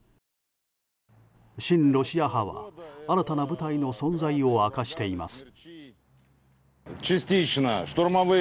親ロシア派は新たな部隊の存在を明かしています。